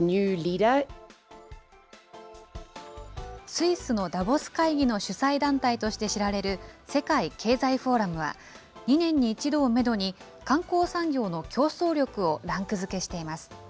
スイスのダボス会議の主催団体として知られる世界経済フォーラムは、２年に１度をメドに、観光産業の競争力をランク付けしています。